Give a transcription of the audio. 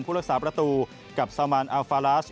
รักษาประตูกับซามานอัลฟาลาส